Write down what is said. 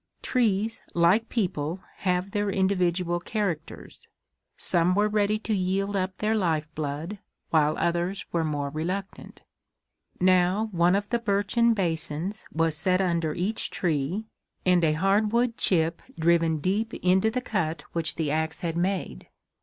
Trees, like people, have their individual characters; some were ready to yield up their life blood, while others were more reluctant. Now one of the birchen basins was set under each tree, and a hardwood chip driven deep into the cut which the axe had made.